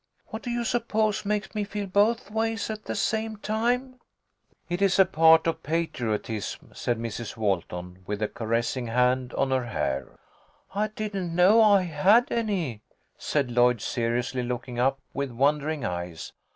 What do you suppose makes me feel both ways at the same time ?"" It is a part of patriotism," said Mrs. Walton, with a caressing hand on her hair. " I didn't know I had any," said Lloyd, seriously, looking up with wondering eyes.